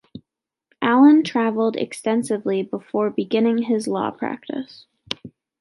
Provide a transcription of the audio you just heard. Allan travelled extensively before beginning his law practice.